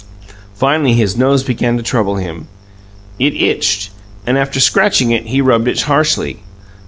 Finally, his nose began to trouble him. It itched, and after scratching it, he rubbed it harshly.